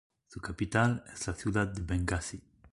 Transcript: Su capital es la ciudad de Bengasi.